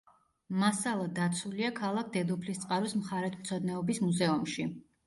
მასალა დაცულია ქალაქ დედოფლისწყაროს მხარეთმცოდნეობის მუზეუმში.